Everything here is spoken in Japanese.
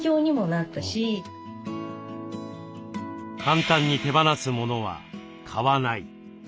簡単に手放すモノは買わない。